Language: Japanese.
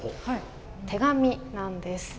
手紙なんです。